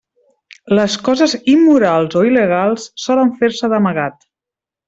Les coses immorals o il·legals solen fer-se d'amagat.